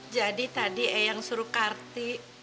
jadi tadi eang suruh karti